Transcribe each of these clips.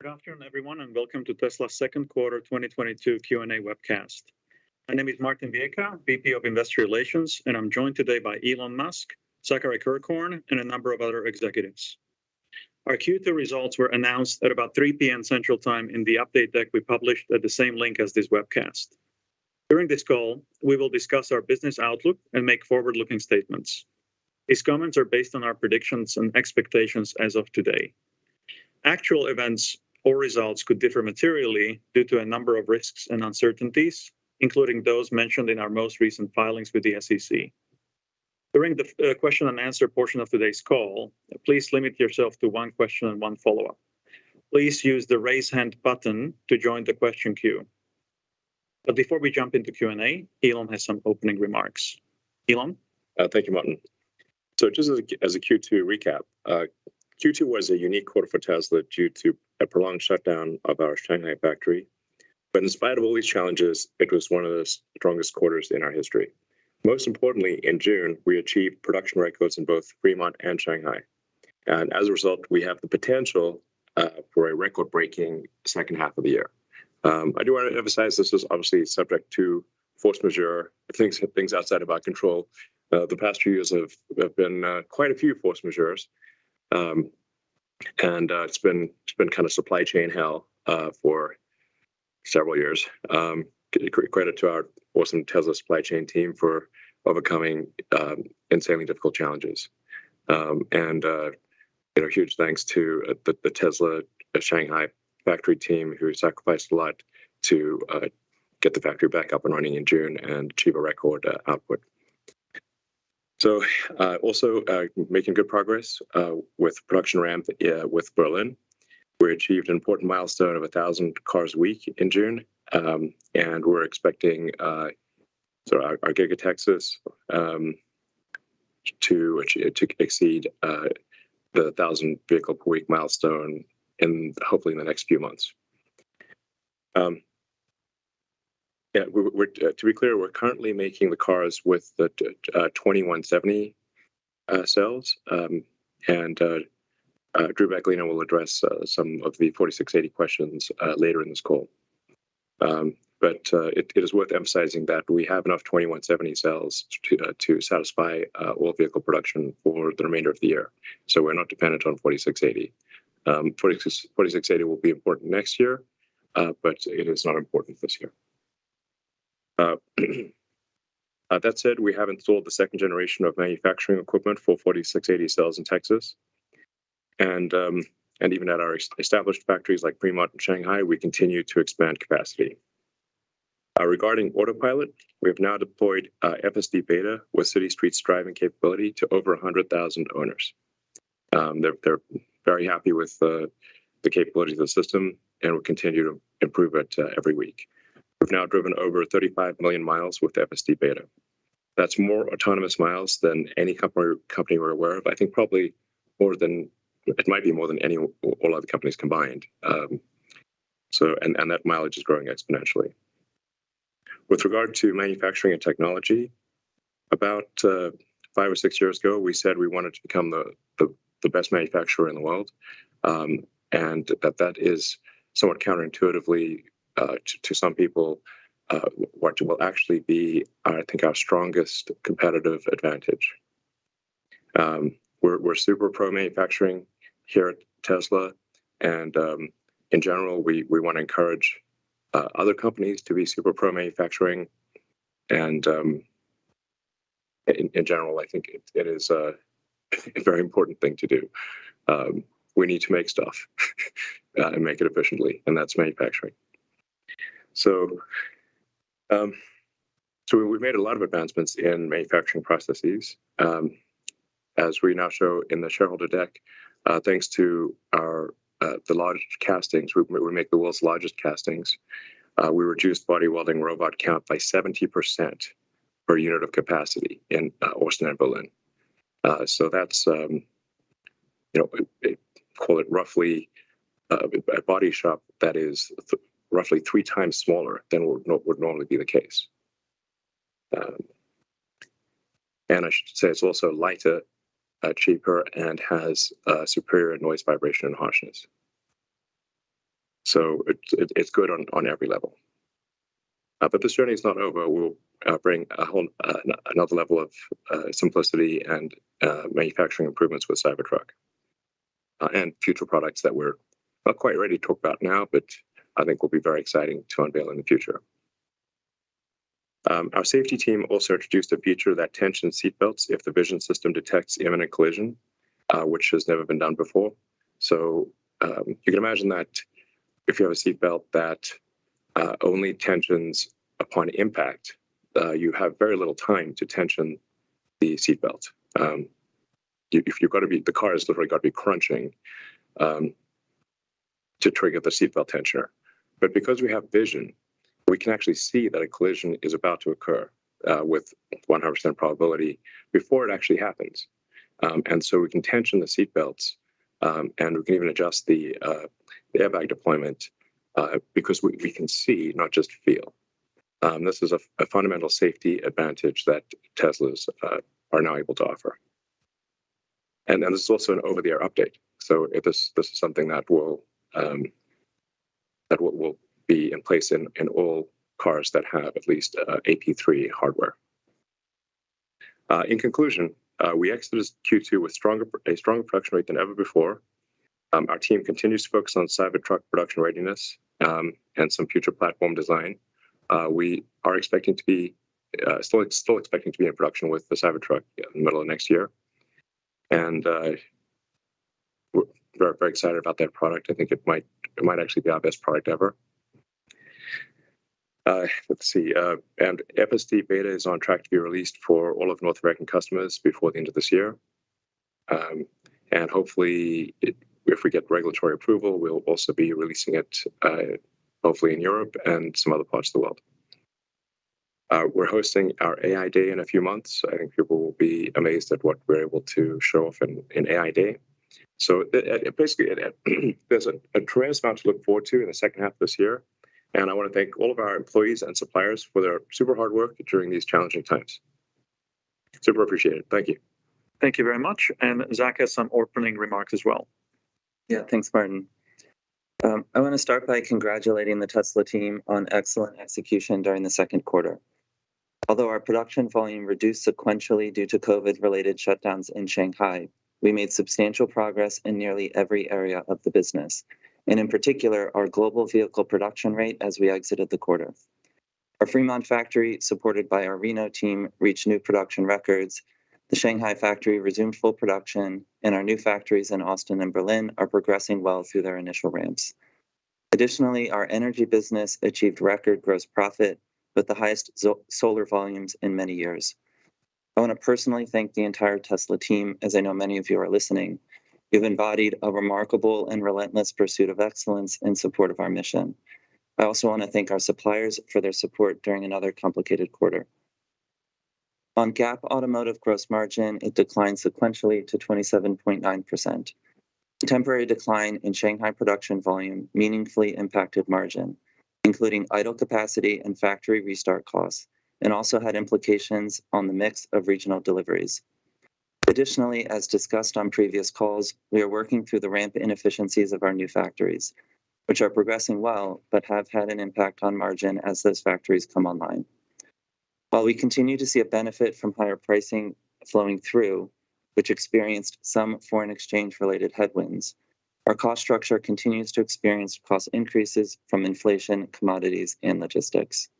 Good afternoon, everyone, and welcome to Tesla's second quarter 2022 Q&A webcast. My name is Martin Viecha, VP of Investor Relations, and I'm joined today by Elon Musk, Zachary Kirkhorn, and a number of other executives. Our Q2 results were announced at about 3:00 P.M. Central Time in the update deck we published at the same link as this webcast. During this call, we will discuss our business outlook and make forward-looking statements. These comments are based on our predictions and expectations as of today. Actual events or results could differ materially due to a number of risks and uncertainties, including those mentioned in our most recent filings with the SEC. During the question-and-answer portion of today's call, please limit yourself to one question and one follow-up. Please use the Raise Hand button to join the question queue. Before we jump into Q&A, Elon has some opening remarks. Elon? Thank you, Martin. Just as a Q2 recap, Q2 was a unique quarter for Tesla due to a prolonged shutdown of our Shanghai factory. In spite of all these challenges, it was one of the strongest quarters in our history. Most importantly, in June, we achieved production records in both Fremont and Shanghai, and as a result, we have the potential for a record-breaking second half of the year. I do wanna emphasize this is obviously subject to force majeure, things outside of our control. The past few years have been quite a few force majeures, and it's been kinda supply chain hell for several years. Credit to our awesome Tesla supply chain team for overcoming insanely difficult challenges. You know, huge thanks to the Tesla Shanghai factory team who sacrificed a lot to get the factory back up and running in June and achieve a record output. Also making good progress with production ramp with Berlin. We achieved an important milestone of 1,000 cars a week in June, and we're expecting our Giga Texas to exceed the 1,000 vehicles per week milestone, hopefully in the next few months. To be clear, we're currently making the cars with the 2170 cells, and Drew Baglino will address some of the 4680 questions later in this call. It is worth emphasizing that we have enough 2170 cells to satisfy all vehicle production for the remainder of the year, so we're not dependent on 4680. 4680 will be important next year, but it is not important this year. That said, we have installed the second generation of manufacturing equipment for 4680 cells in Texas, and even at our established factories like Fremont and Shanghai, we continue to expand capacity. Regarding Autopilot, we have now deployed FSD Beta with city streets driving capability to over 100,000 owners. They're very happy with the capability of the system, and we continue to improve it every week. We've now driven over 35 million miles with FSD Beta. That's more autonomous miles than any company we're aware of. I think probably more than it might be more than any all other companies combined. That mileage is growing exponentially. With regard to manufacturing and technology, about five or six years ago, we said we wanted to become the best manufacturer in the world, and that is somewhat counterintuitively to some people, which will actually be, I think, our strongest competitive advantage. We're super pro-manufacturing here at Tesla and, in general, we wanna encourage other companies to be super pro-manufacturing and, in general, I think it is a very important thing to do. We need to make stuff and make it efficiently, and that's manufacturing. We've made a lot of advancements in manufacturing processes, as we now show in the shareholder deck, thanks to our large castings. We make the world's largest castings. We reduced body welding robot count by 70% per unit of capacity in Austin and Berlin. That's, you know, call it roughly a body shop that is roughly three times smaller than would normally be the case. I should say it's also lighter, cheaper, and has superior noise vibration and harshness. It's good on every level. This journey is not over. We'll bring a whole another level of simplicity and manufacturing improvements with Cybertruck and future products that we're not quite ready to talk about now, but I think will be very exciting to unveil in the future. Our safety team also introduced a feature that tensions seatbelts if the vision system detects imminent collision, which has never been done before. You can imagine that if you have a seatbelt that only tensions upon impact, you have very little time to tension the seatbelt. The car has literally gotta be crunching to trigger the seatbelt tensioner. Because we have vision, we can actually see that a collision is about to occur with 100% probability before it actually happens. We can tension the seatbelts, and we can even adjust the airbag deployment, because we can see, not just feel. This is a fundamental safety advantage that Teslas are now able to offer. This is also an over-the-air update, so this is something that will be in place in all cars that have at least AP3 hardware. In conclusion, we exited Q2 with a stronger production rate than ever before. Our team continues to focus on Cybertruck production readiness, and some future platform design. We are expecting to be still expecting to be in production with the Cybertruck in the middle of next year. We're very excited about that product. I think it might actually be our best product ever. Let's see. FSD Beta is on track to be released for all North American customers before the end of this year. Hopefully, if we get regulatory approval, we'll also be releasing it, hopefully in Europe and some other parts of the world. We're hosting our AI Day in a few months. I think people will be amazed at what we're able to show off in AI Day. Basically, there's a tremendous amount to look forward to in the second half of this year. I wanna thank all of our employees and suppliers for their super hard work during these challenging times. Super appreciate it. Thank you. Thank you very much. Zach has some opening remarks as well. Yeah. Thanks, Martin. I wanna start by congratulating the Tesla team on excellent execution during the second quarter. Although our production volume reduced sequentially due to COVID-related shutdowns in Shanghai, we made substantial progress in nearly every area of the business, and in particular, our global vehicle production rate as we exited the quarter. Our Fremont factory, supported by our Reno team, reached new production records, the Shanghai factory resumed full production, and our new factories in Austin and Berlin are progressing well through their initial ramps. Additionally, our energy business achieved record gross profit with the highest solar volumes in many years. I wanna personally thank the entire Tesla team, as I know many of you are listening. You've embodied a remarkable and relentless pursuit of excellence in support of our mission. I also wanna thank our suppliers for their support during another complicated quarter. On GAAP automotive gross margin, it declined sequentially to 27.9%. Temporary decline in Shanghai production volume meaningfully impacted margin, including idle capacity and factory restart costs, and also had implications on the mix of regional deliveries. Additionally, as discussed on previous calls, we are working through the ramp inefficiencies of our new factories, which are progressing well but have had an impact on margin as those factories come online. While we continue to see a benefit from higher pricing flowing through, which experienced some foreign exchange-related headwinds, our cost structure continues to experience cost increases from inflation, commodities, and logistics.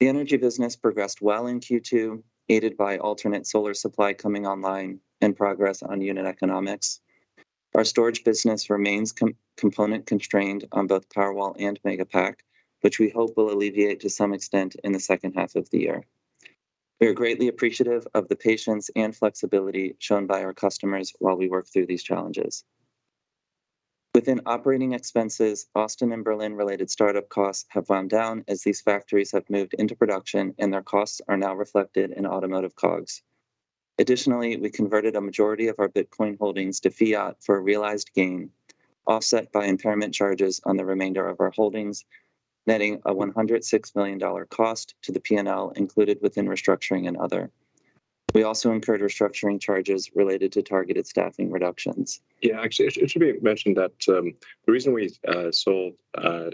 The energy business progressed well in Q2, aided by alternate solar supply coming online and progress on unit economics. Our storage business remains component constrained on both Powerwall and Megapack, which we hope will alleviate to some extent in the second half of the year. We are greatly appreciative of the patience and flexibility shown by our customers while we work through these challenges. Within operating expenses, Austin and Berlin-related startup costs have wound down as these factories have moved into production and their costs are now reflected in automotive COGS. Additionally, we converted a majority of our Bitcoin holdings to fiat for a realized gain, offset by impairment charges on the remainder of our holdings, netting a $106 million cost to the P&L included within restructuring and other. We also incurred restructuring charges related to targeted staffing reductions. Yeah. Actually, it should be mentioned that the reason we sold a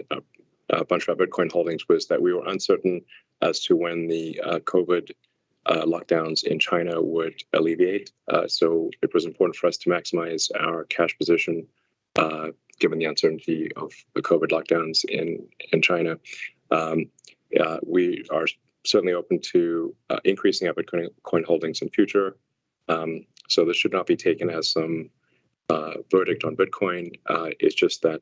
bunch of our Bitcoin holdings was that we were uncertain as to when the COVID lockdowns in China would alleviate. It was important for us to maximize our cash position given the uncertainty of the COVID lockdowns in China. We are certainly open to increasing our Bitcoin holdings in future. This should not be taken as some verdict on Bitcoin. It's just that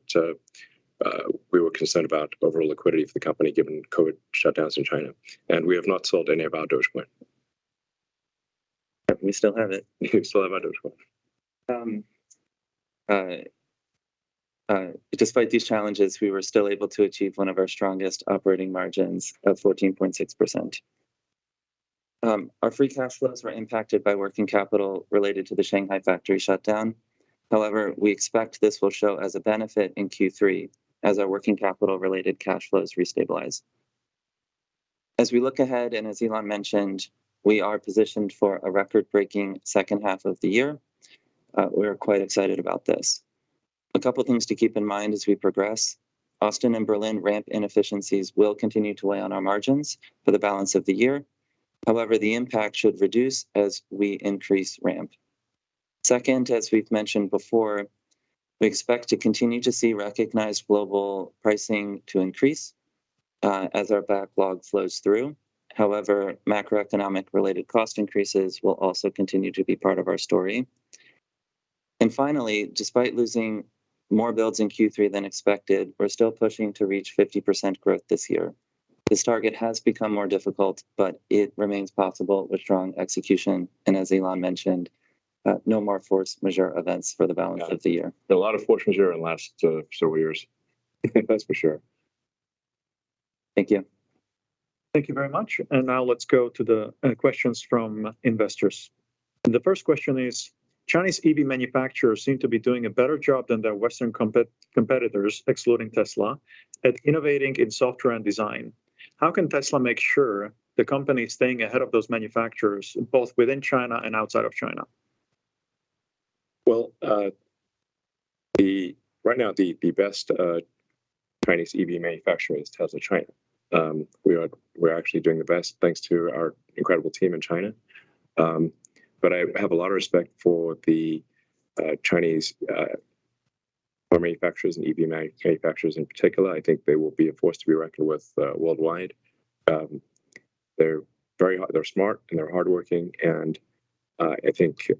we were concerned about overall liquidity of the company given COVID shutdowns in China, and we have not sold any of our Dogecoin. We still have it. We still have our Dogecoin. Despite these challenges, we were still able to achieve one of our strongest operating margins of 14.6%. Our free cash flows were impacted by working capital related to the Shanghai factory shutdown. However, we expect this will show as a benefit in Q3 as our working capital-related cash flows restabilize. As we look ahead, and as Elon mentioned, we are positioned for a record-breaking second half of the year. We are quite excited about this. A couple things to keep in mind as we progress. Austin and Berlin ramp inefficiencies will continue to weigh on our margins for the balance of the year. However, the impact should reduce as we increase ramp. Second, as we've mentioned before, we expect to continue to see recognized global pricing to increase as our backlog flows through. However, macroeconomic-related cost increases will also continue to be part of our story. Finally, despite losing more builds in Q3 than expected, we're still pushing to reach 50% growth this year. This target has become more difficult, but it remains possible with strong execution, and as Elon mentioned, no more force majeure events for the balance of the year. Got it. A lot of force majeure in the last several years. That's for sure. Thank you. Thank you very much. Now let's go to the questions from investors. The first question is, Chinese EV manufacturers seem to be doing a better job than their Western competitors, excluding Tesla, at innovating in software and design. How can Tesla make sure the company is staying ahead of those manufacturers, both within China and outside of China? Right now, the best Chinese EV manufacturer is Tesla China. We're actually doing the best thanks to our incredible team in China. I have a lot of respect for the Chinese car manufacturers and EV manufacturers in particular. I think they will be a force to be reckoned with worldwide. They're smart and they're hardworking, and I think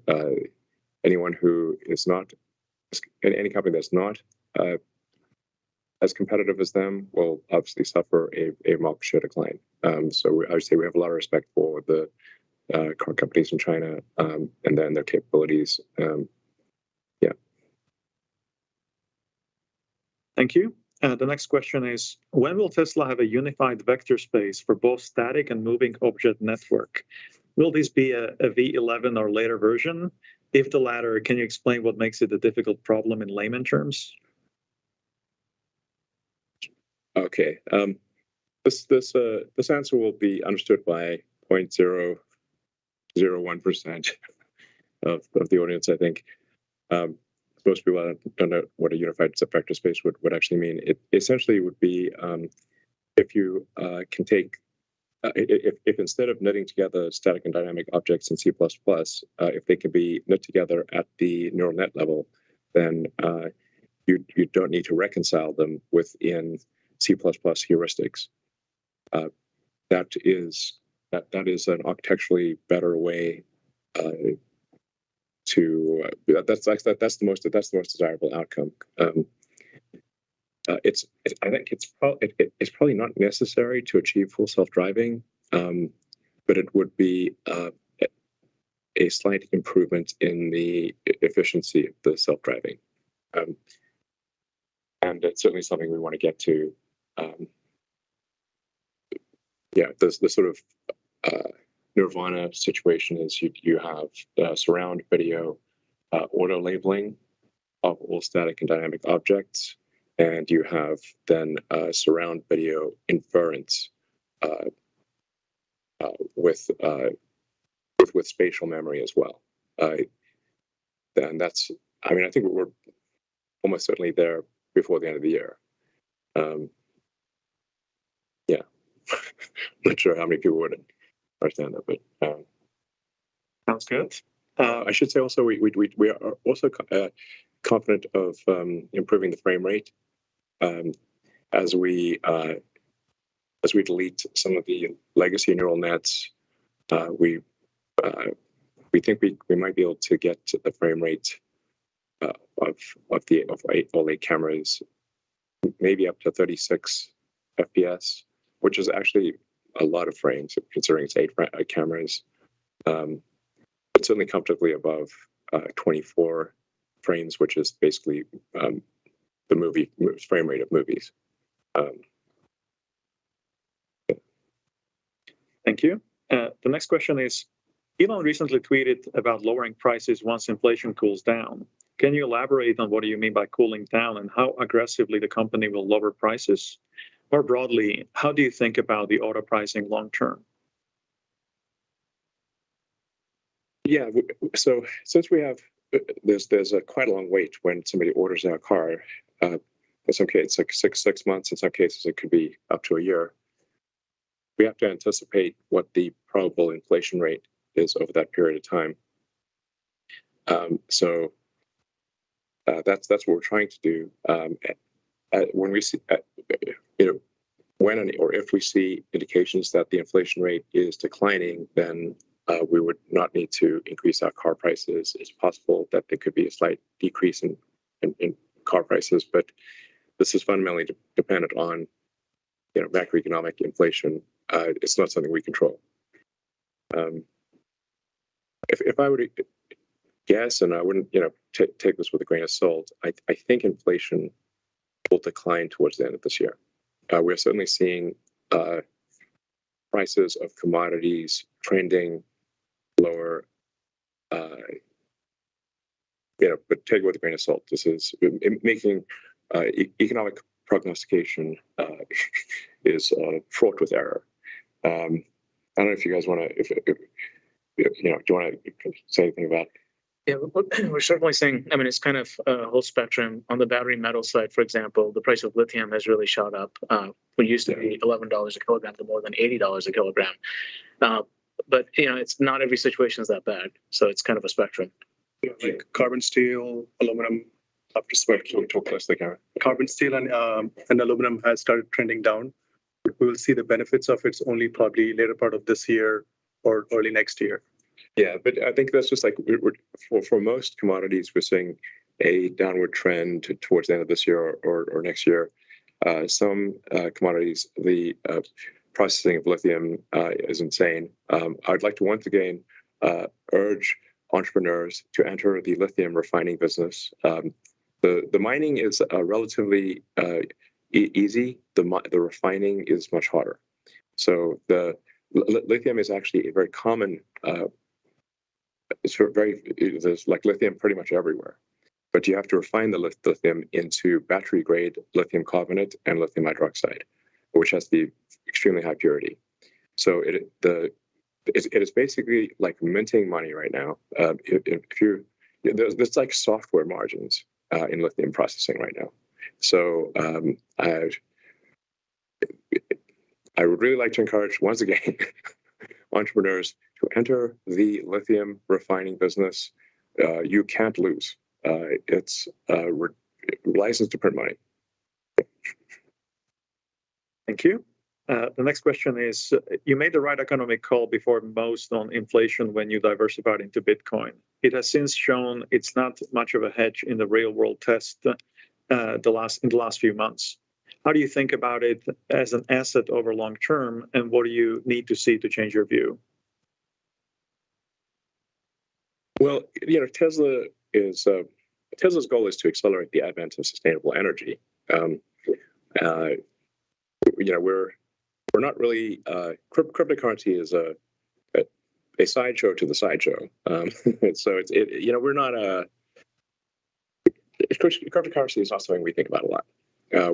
any company that's not as competitive as them will obviously suffer a market share decline. I would say we have a lot of respect for the car companies in China and then their capabilities. Thank you. The next question is, when will Tesla have a unified vector space for both static and moving object network? Will this be a V11 or later version? If the latter, can you explain what makes it a difficult problem in layman terms? Okay. This answer will be understood by 0.001% of the audience, I think. Most people don't know what a unified sub-vector space would actually mean. It essentially would be if, instead of knitting together static and dynamic objects in C++, they could be knit together at the neural net level, then you don't need to reconcile them within C++ heuristics. That is an architecturally better way. That's the most desirable outcome. It's probably not necessary to achieve full self-driving, but it would be a slight improvement in the efficiency of the self-driving. It's certainly something we wanna get to. Yeah, this sort of nirvana situation is you have surround video auto labeling of all static and dynamic objects, and you have then surround video inference with spatial memory as well. That's. I mean, I think we're almost certainly there before the end of the year. Yeah. Not sure how many people would understand that, but. Sounds good. I should say also, we are also confident of improving the frame rate as we delete some of the legacy neural nets. We think we might be able to get the frame rate of all eight cameras maybe up to 36 FPS, which is actually a lot of frames considering it's eight cameras. But certainly comfortably above 24 frames, which is basically the frame rate of movies. Thank you. The next question is, Elon recently tweeted about lowering prices once inflation cools down. Can you elaborate on what do you mean by cooling down and how aggressively the company will lower prices? More broadly, how do you think about the auto pricing long term? Yeah. Since we have, there's quite a long wait when somebody orders our car, it's okay. It's like six months. In some cases, it could be up to a year. We have to anticipate what the probable inflation rate is over that period of time. That's what we're trying to do. When you know, when or if we see indications that the inflation rate is declining, then we would not need to increase our car prices. It's possible that there could be a slight decrease in car prices, but this is fundamentally dependent on, you know, macroeconomic inflation. It's not something we control. If I were to guess, and I wouldn't, you know, take this with a grain of salt, I think inflation will decline towards the end of this year. We're certainly seeing prices of commodities trending lower. You know, but take it with a grain of salt. Making economic prognostication is fraught with error. You know, do you wanna say anything about? Yeah. We're certainly seeing. I mean, it's kind of a whole spectrum. On the battery metal side, for example, the price of lithium has really shot up from what used to be $11 a kg to more than $80 a kg. You know, it's not every situation is that bad, so it's kind of a spectrum. Yeah. Carbon steel, aluminum. I have to switch. We'll talk less to Karn. Carbon steel and aluminum has started trending down. We'll see the benefits of its only probably later part of this year or early next year. I think that's just like we're seeing a downward trend towards the end of this year or next year. Some commodities, the processing of lithium is insane. I would like to once again urge entrepreneurs to enter the lithium refining business. The mining is relatively easy. The refining is much harder. Lithium is actually very common. There's like lithium pretty much everywhere, but you have to refine the lithium into battery-grade lithium carbonate and lithium hydroxide, which has the extremely high purity. It is basically like minting money right now. There's like software margins in lithium processing right now. I would really like to encourage, once again, entrepreneurs to enter the lithium refining business. You can't lose. It's a license to print money. Thank you. The next question is, you made the right economic call before most on inflation when you diversified into Bitcoin. It has since shown it's not much of a hedge in the real world test, in the last few months. How do you think about it as an asset over long term, and what do you need to see to change your view? Well, you know, Tesla's goal is to accelerate the advent of sustainable energy. You know, cryptocurrency is a sideshow to the sideshow. It's, you know, we're not. Cryptocurrency is not something we think about a lot.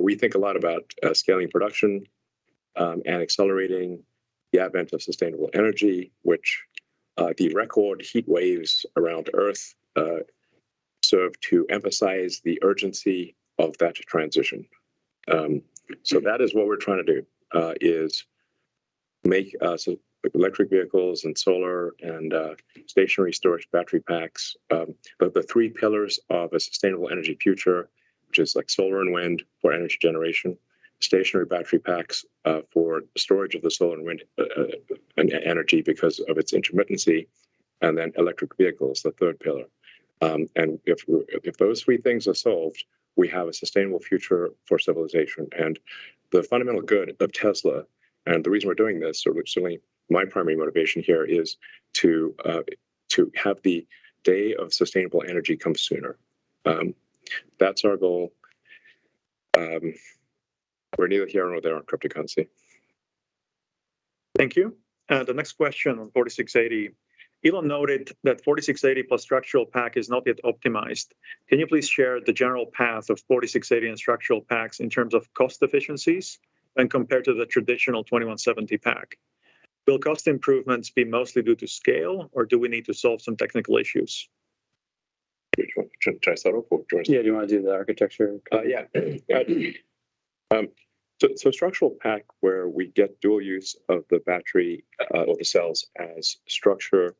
We think a lot about scaling production and accelerating the advent of sustainable energy, which the record heat waves around Earth serve to emphasize the urgency of that transition. That is what we're trying to do is to make like electric vehicles and solar and stationary storage battery packs, the three pillars of a sustainable energy future, which is like solar and wind for energy generation, stationary battery packs for storage of the solar and wind energy because of its intermittency, and then electric vehicles, the third pillar. If those three things are solved, we have a sustainable future for civilization. The fundamental good of Tesla, and the reason we're doing this, or certainly my primary motivation here, is to have the day of sustainable energy come sooner. That's our goal. We're neither here nor there on cryptocurrency. Thank you. The next question on 4680. Elon noted that 4680 plus structural pack is not yet optimized. Can you please share the general path of 4680 and structural packs in terms of cost efficiencies and compared to the traditional 2170 pack? Will cost improvements be mostly due to scale, or do we need to solve some technical issues? Which one? Should I start off or Drew? Yeah. Do you want to do the architecture? Structural pack where we get dual use of the battery, or the cells as structure,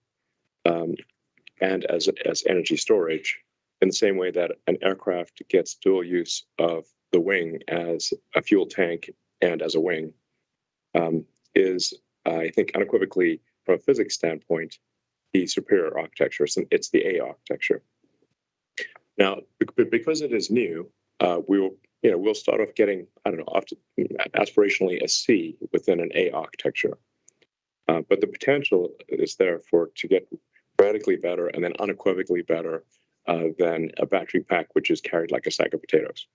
and as energy storage in the same way that an aircraft gets dual use of the wing as a fuel tank and as a wing is, I think, unequivocally from a physics standpoint, the superior architecture. It's the A architecture. Now because it is new, we will, you know, we'll start off getting aspirationally a C within an A architecture. The potential is there for to get radically better and then unequivocally better than a battery pack which is carried like a sack of potatoes.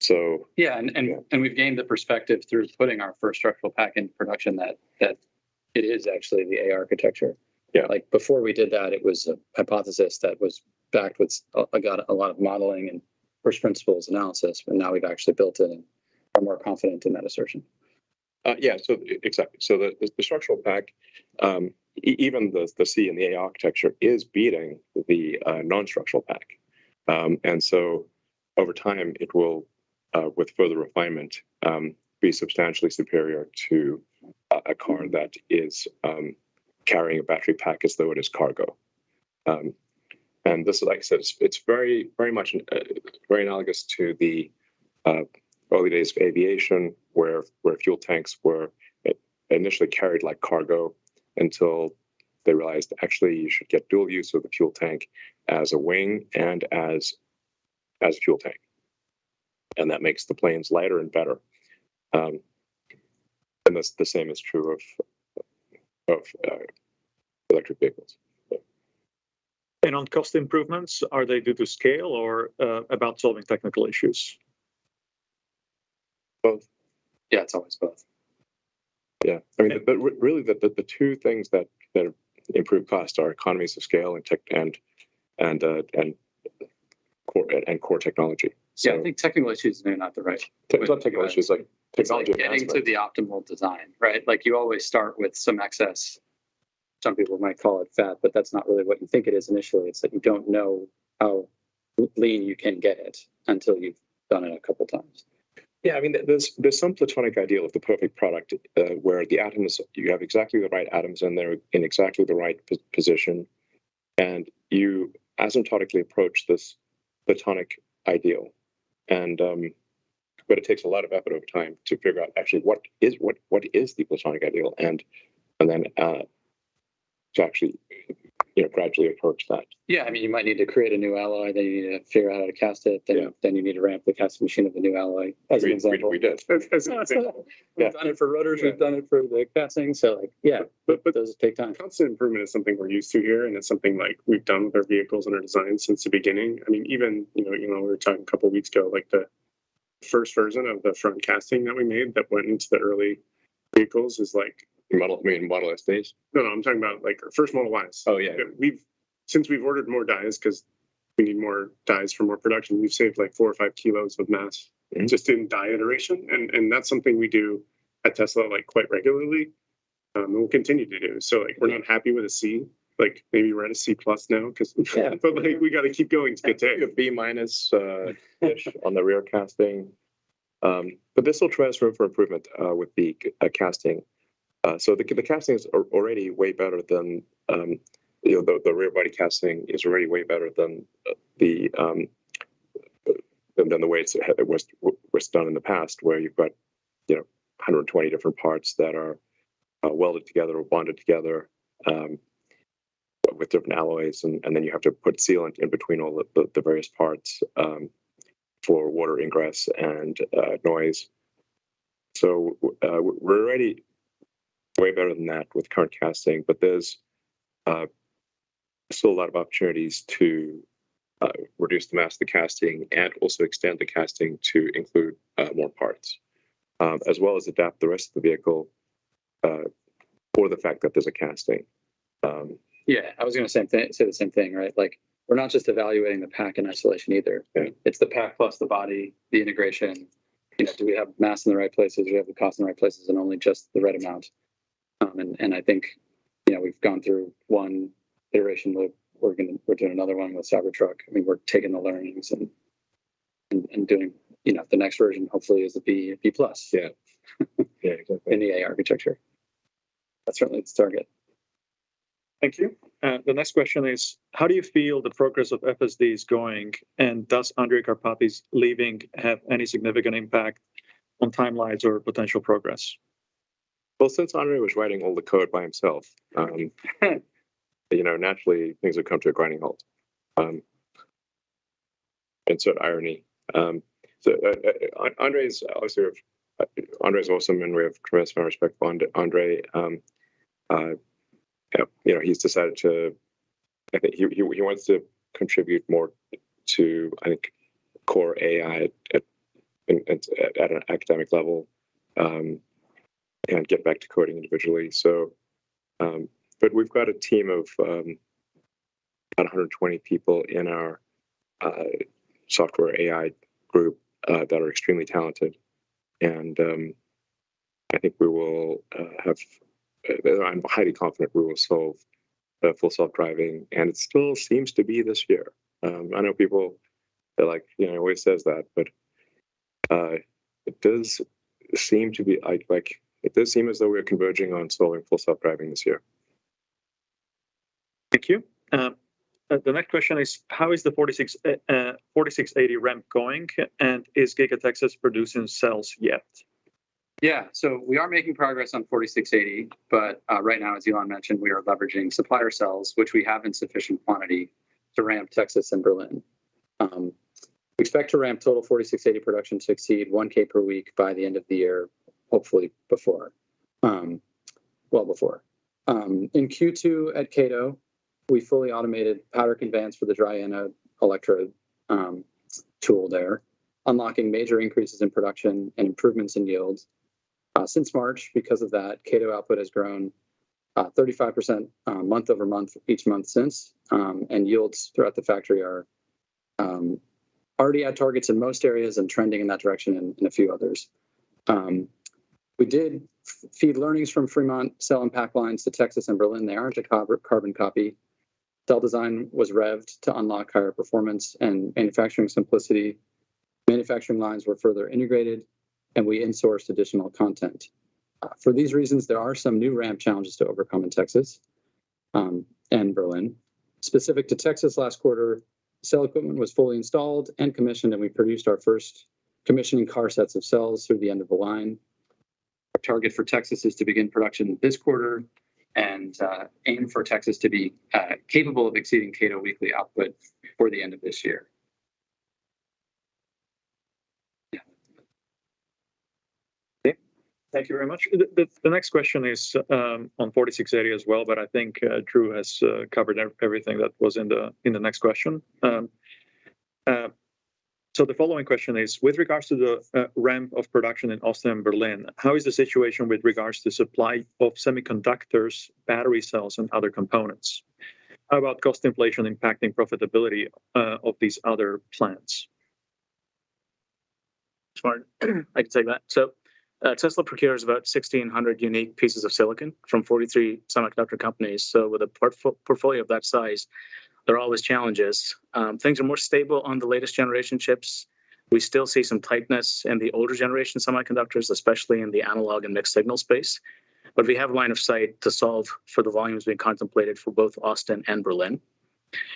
We've gained the perspective through putting our first structural pack in production that it is actually the A architecture. Yeah. Like before we did that, it was a hypothesis that was backed with a lot of modeling and first principles analysis, but now we've actually built it and are more confident in that assertion. Yeah. Exactly. The structural pack, even the C and the A architecture is beating the non-structural pack. Over time, with further refinement, it will be substantially superior to a car that is carrying a battery pack as though it is cargo. This, like I said, it's very, very much very analogous to the early days of aviation where fuel tanks were initially carried like cargo until they realized actually you should get dual use of the fuel tank as a wing and as a fuel tank. That makes the planes lighter and better. That's the same is true of electric vehicles. Yeah. On cost improvements, are they due to scale or about solving technical issues? Both. Yeah. It's always both. Yeah. I mean, really the two things that improve cost are economies of scale and tech and core technology. Yeah. I think technical issues may not be the right. It's not technical issues, like technology aspects. It's like getting to the optimal design, right? Like you always start with some excess, some people might call it fat, but that's not really what you think it is initially. It's like you don't know how lean you can get it until you've done it a couple times. Yeah. I mean, there's some Platonic ideal of the perfect product, where the atoms, you have exactly the right atoms in there in exactly the right position, and you asymptotically approach this Platonic ideal. It takes a lot of effort over time to figure out actually what is the Platonic ideal and then to actually, you know, gradually approach that. Yeah. I mean, you might need to create a new alloy, then you need to figure out how to cast it. Yeah. You need to ramp the casting machine of the new alloy as an example. We did. As an example. We've done it for rotors. We've done it for blade casting. Like, yeah. But, but. It does take time. Constant improvement is something we're used to here, and it's something like we've done with our vehicles and our designs since the beginning. I mean, even you know, we were talking a couple weeks ago. First version of the front casting that we made that went into the early vehicles is like. Model, you mean Model S stage? No, no, I'm talking about like our first Model Y. Oh, yeah. Since we've ordered more dies, 'cause we need more dies for more production, we've saved like four or five kilos of mass. Mm-hmm just in AI iteration. That's something we do at Tesla like quite regularly, and we'll continue to do. Yeah. We're not happy with a C, like maybe we're at a C+ now 'cause Yeah. Like we gotta keep going to get to A. I think a B-ish on the rear casting. This will transfer for improvement with the casting. The casting is already way better than the way the rear body casting was done in the past where you've got 120 different parts that are welded together or bonded together with different alloys and then you have to put sealant in between all the various parts for water ingress and noise. We're already way better than that with current casting, but there's still a lot of opportunities to reduce the mass of the casting and also extend the casting to include more parts, as well as adapt the rest of the vehicle for the fact that there's a casting. Yeah, I was gonna say the same thing, right? Like we're not just evaluating the pack in isolation either. Yeah. It's the pack plus the body, the integration. Yeah. Do we have mass in the right places? Do we have the cost in the right places and only just the right amount? I think, you know, we've gone through one iteration. We're doing another one with Cybertruck. I mean, we're taking the learnings and doing, you know, the next version hopefully is a B+. Yeah. Yeah, exactly. In the AI architecture. That's certainly its target. Thank you. The next question is: How do you feel the progress of FSD is going? Does Andrej Karpathy's leaving have any significant impact on timelines or potential progress? Well, since Andrej was writing all the code by himself, you know, naturally things would come to a grinding halt. Insert irony. Andrej's obviously awesome and we have tremendous amount of respect for Andrej. You know, he's decided to, I think he wants to contribute more to, I think, core AI at an academic level, and get back to coding individually. We've got a team of about 120 people in our software AI group that are extremely talented and, I think we will have, I'm highly confident we will solve Full Self-Driving and it still seems to be this year. I know people they're like, "You know, he always says that," but it does seem to be, like it does seem as though we are converging on solving Full Self-Driving this year. Thank you. The next question is: How is the 4680 ramp going? And is Giga Texas producing cells yet? Yeah. We are making progress on 4680, but right now, as Elon mentioned, we are leveraging supplier cells, which we have in sufficient quantity to ramp Texas and Berlin. We expect to ramp total 4680 production to exceed 1,000 per week by the end of the year, hopefully before, well before. In Q2 at Kato, we fully automated powder conveyance for the dry anode electrode tool there, unlocking major increases in production and improvements in yields. Since March because of that, Kato output has grown 35% month-over-month each month since. Yields throughout the factory are already at targets in most areas and trending in that direction in a few others. We did feed learnings from Fremont cell and pack lines to Texas and Berlin. They aren't a carbon copy. Cell design was revved to unlock higher performance and manufacturing simplicity. Manufacturing lines were further integrated, and we insourced additional content. For these reasons, there are some new ramp challenges to overcome in Texas and Berlin. Specific to Texas last quarter, cell equipment was fully installed and commissioned, and we produced our first commissioning car sets of cells through the end of the line. Our target for Texas is to begin production this quarter and aim for Texas to be capable of exceeding Kato weekly output before the end of this year. Okay. Thank you very much. The next question is on 4680 as well, but I think Drew has covered everything that was in the next question. The following question is: With regards to the ramp of production in Austin and Berlin, how is the situation with regards to supply of semiconductors, battery cells and other components? How about cost inflation impacting profitability of these other plants? Smart. I can take that. Tesla procures about 1,600 unique pieces of silicon from 43 semiconductor companies. With a portfolio of that size, there are always challenges. Things are more stable on the latest generation chips. We still see some tightness in the older generation semiconductors, especially in the analog and mixed signal space. We have line of sight to solve for the volumes being contemplated for both Austin and Berlin.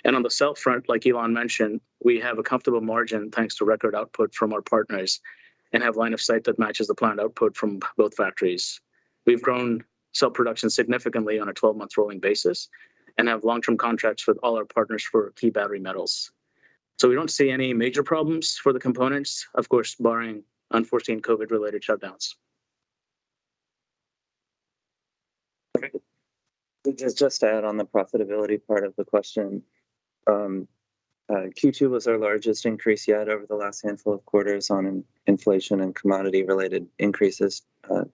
On the cell front, like Elon mentioned, we have a comfortable margin thanks to record output from our partners and have line of sight that matches the planned output from both factories. We've grown cell production significantly on a 12-month rolling basis and have long-term contracts with all our partners for key battery metals. We don't see any major problems for the components, of course, barring unforeseen COVID-related shutdowns. Just to add on the profitability part of the question. Q2 was our largest increase yet over the last handful of quarters on inflation and commodity-related increases to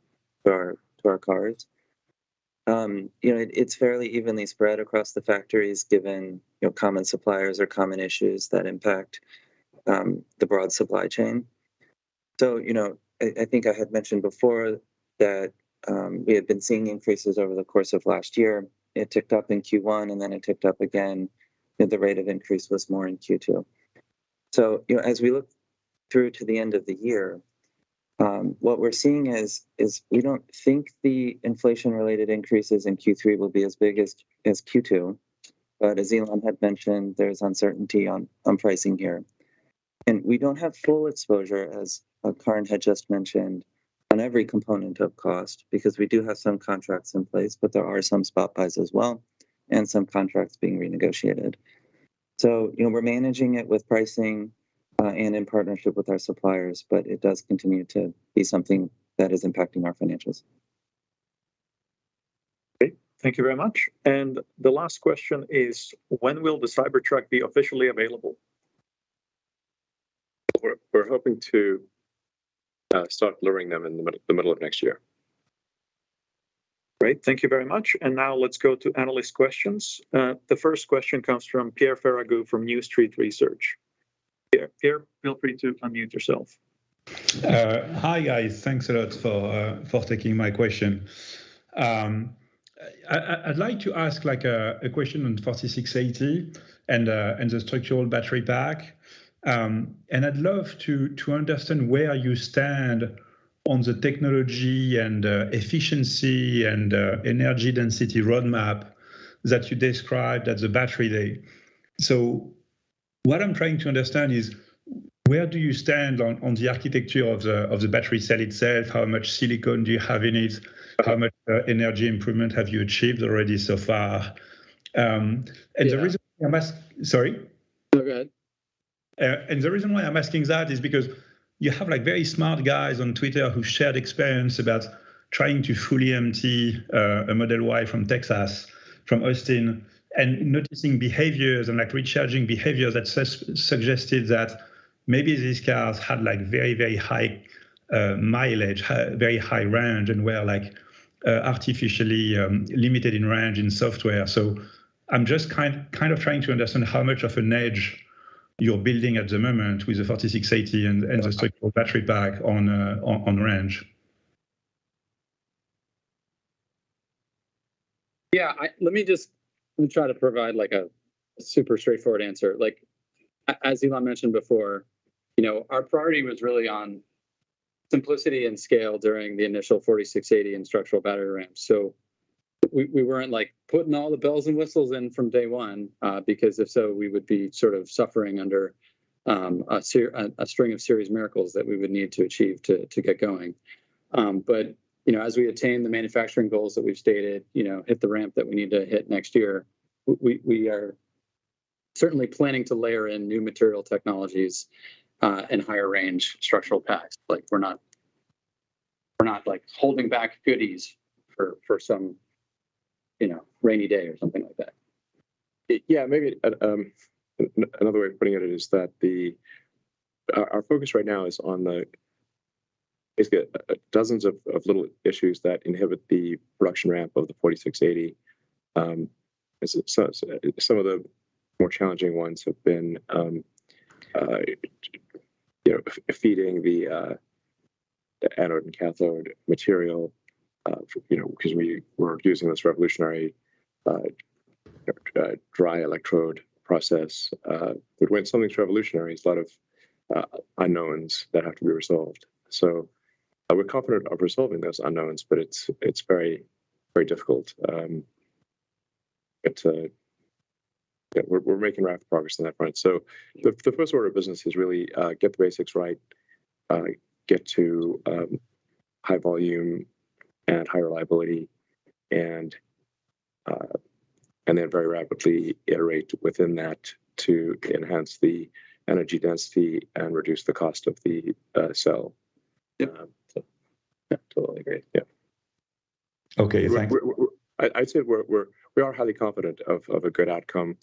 our cars. You know, it's fairly evenly spread across the factories, given, you know, common suppliers or common issues that impact the broad supply chain. You know, I think I had mentioned before that we had been seeing increases over the course of last year. It ticked up in Q1, and then it ticked up again, and the rate of increase was more in Q2. You know, as we look through to the end of the year, what we're seeing is we don't think the inflation-related increases in Q3 will be as big as Q2. But as Elon had mentioned, there's uncertainty on pricing here. We don't have full exposure, as Karan had just mentioned, on every component of cost because we do have some contracts in place, but there are some spot buys as well and some contracts being renegotiated. You know, we're managing it with pricing and in partnership with our suppliers, but it does continue to be something that is impacting our financials. Great. Thank you very much. The last question is, when will the Cybertruck be officially available? We're hoping to start delivering them in the middle of next year. Great. Thank you very much. Now let's go to analyst questions. The first question comes from Pierre Ferragu from New Street Research. Pierre, feel free to unmute yourself. Hi, guys. Thanks a lot for taking my question. I'd like to ask like a question on 4680 and the structural battery pack. I'd love to understand where you stand on the technology and efficiency and energy density roadmap that you described at the Battery Day. What I'm trying to understand is where do you stand on the architecture of the battery cell itself? How much silicon do you have in it? How much energy improvement have you achieved already so far? And the reason I'm ask. Yeah. Sorry? No, go ahead. The reason why I'm asking that is because you have, like, very smart guys on Twitter who shared experience about trying to fully empty a Model Y from Texas, from Austin, and noticing behaviors and, like, recharging behaviors that suggested that maybe these cars had, like, very high mileage, very high range and were, like, artificially limited in range in software. I'm just kind of trying to understand how much of an edge you're building at the moment with the 4680 and the structural battery pack on range. Yeah, let me try to provide, like, a super straightforward answer. Like, as Elon mentioned before, you know, our priority was really on simplicity and scale during the initial 4680 and structural battery ramp. We weren't, like, putting all the bells and whistles in from day one, because if so, we would be sort of suffering under a series of miracles that we would need to achieve to get going. But, you know, as we attain the manufacturing goals that we've stated, you know, hit the ramp that we need to hit next year, we are certainly planning to layer in new material technologies, and higher range structural packs. Like, we're not, like, holding back goodies for some, you know, rainy day or something like that. Yeah, maybe another way of putting it is that our focus right now is on basically dozens of little issues that inhibit the production ramp of the 4680. As I said, some of the more challenging ones have been, you know, feeding the anode and cathode material, you know, 'cause we were using this revolutionary dry electrode process. But when something's revolutionary, there's a lot of unknowns that have to be resolved. We're confident of resolving those unknowns, but it's very difficult. We're making rapid progress on that front. The first order of business is really get the basics right, get to high volume and higher reliability, and then very rapidly iterate within that to enhance the energy density and reduce the cost of the cell. Yeah. So. Yeah, totally agree. Yeah. Okay. Thanks. I'd say we are highly confident of a good outcome.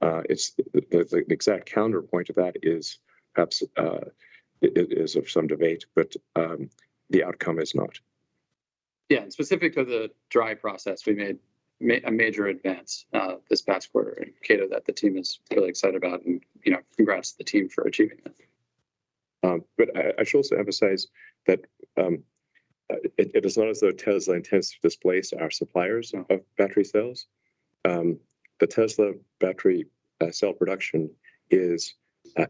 The exact counterpoint to that is perhaps of some debate, but the outcome is not. Yeah, specific to the dry process, we made a major advance this past quarter in Kato that the team is really excited about, and you know, congrats to the team for achieving that. I should also emphasize that it is not as though Tesla intends to displace our suppliers. Mm-hmm. Of battery cells. The Tesla battery cell production is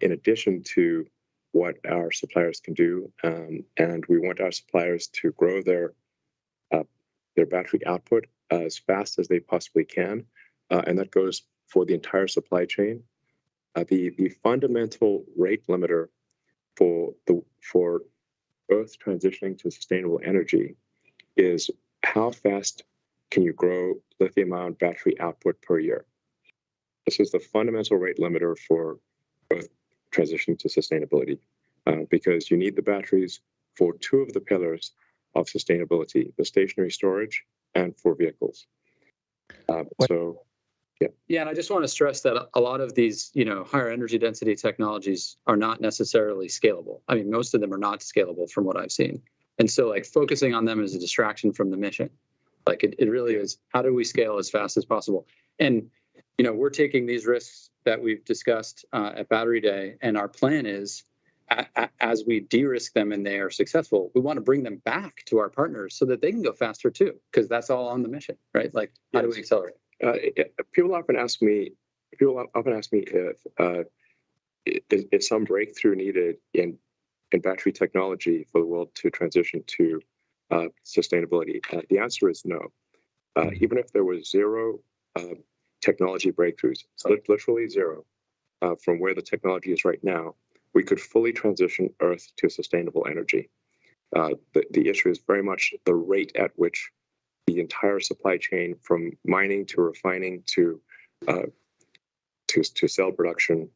in addition to what our suppliers can do, and we want our suppliers to grow their battery output as fast as they possibly can, and that goes for the entire supply chain. The fundamental rate limiter for Earth transitioning to sustainable energy is how fast can you grow lithium-ion battery output per year? This is the fundamental rate limiter for both transition to sustainability, because you need the batteries for two of the pillars of sustainability, the stationary storage and for vehicles. Yeah. Yeah, I just wanna stress that a lot of these, you know, higher energy density technologies are not necessarily scalable. I mean, most of them are not scalable from what I've seen. Like, focusing on them is a distraction from the mission. Like, it really is how do we scale as fast as possible. You know, we're taking these risks that we've discussed at Battery Day, and our plan is as we de-risk them and they are successful, we wanna bring them back to our partners so that they can go faster too, 'cause that's all on the mission, right? Like. Yes. How do we accelerate? People often ask me if some breakthrough is needed in battery technology for the world to transition to sustainability. The answer is no. Even if there was zero technology breakthroughs. Got it. Literally zero, from where the technology is right now, we could fully transition Earth to sustainable energy. The issue is very much the rate at which the entire supply chain from mining to refining to cell production,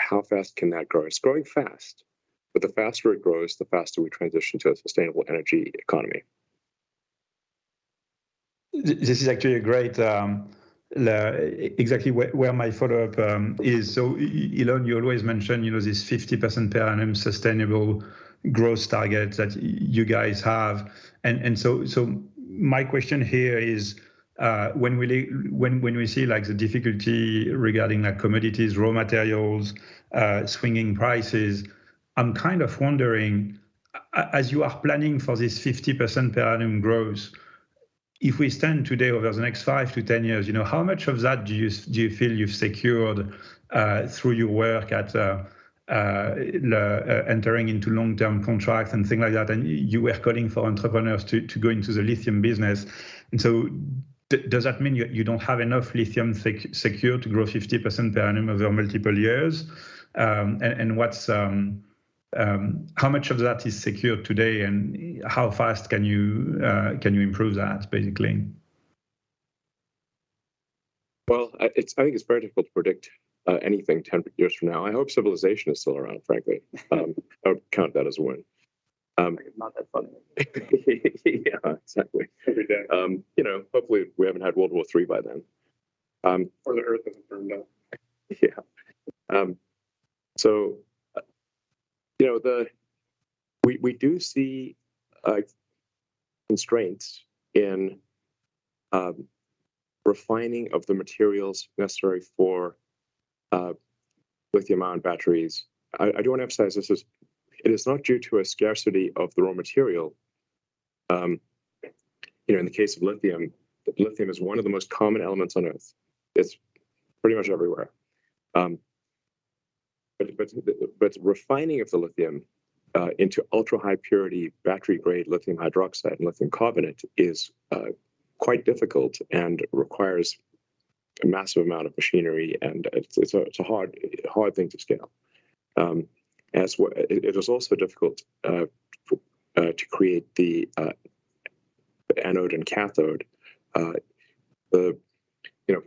how fast can that grow? It's growing fast, but the faster it grows, the faster we transition to a sustainable energy economy. This is actually a great, exactly where my follow-up is. Elon, you always mention, you know, this 50% per annum sustainable growth target that you guys have, and so my question here is, when we see, like, the difficulty regarding, like, commodities, raw materials, swinging prices, I'm kind of wondering, as you are planning for this 50% per annum growth, as we stand today over the next 5-10 years, you know, how much of that do you feel you've secured through your work, entering into long-term contracts and things like that, and you are calling for entrepreneurs to go into the lithium business? Does that mean you don't have enough lithium secured to grow 50% per annum over multiple years? How much of that is secure today, and how fast can you improve that, basically? Well, I think it's very difficult to predict anything 10 years from now. I hope civilization is still around, frankly. I would count that as a win. Not that funny. Yeah, exactly. Every day. You know, hopefully we haven't had World War III by then. The Earth has burned up. We do see constraints in refining of the materials necessary for lithium-ion batteries. I do wanna emphasize this is it is not due to a scarcity of the raw material. You know, in the case of lithium is one of the most common elements on Earth. It's pretty much everywhere. Refining of the lithium into ultrahigh purity, battery-grade lithium hydroxide and lithium carbonate is quite difficult and requires a massive amount of machinery, and it's a hard thing to scale. It is also difficult to create the anode and cathode. You know,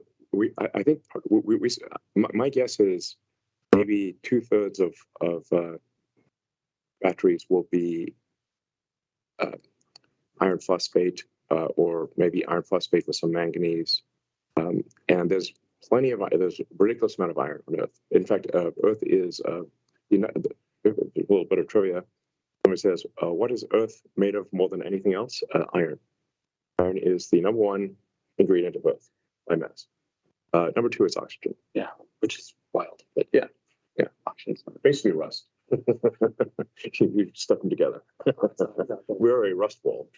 I think my guess is maybe two-thirds of batteries will be iron phosphate or maybe iron phosphate with some manganese. There's a ridiculous amount of iron on Earth. In fact, a little bit of trivia. Somebody says, "What is Earth made of more than anything else?" Iron. Iron is the number one ingredient of Earth by mass. Number two is oxygen. Yeah. Which is wild. Yeah. Yeah. Basically rust. We've stuck them together. We're a rust ball.